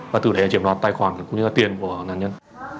và từ đấy triểm đoạt tài khoản cũng như tiền của nạn nhân